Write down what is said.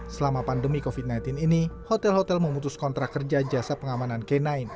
selama pandemi covid sembilan belas ini hotel hotel memutus kontrak kerja jasa pengamanan k sembilan